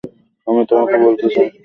আমি তোমাকে বলতে চাই।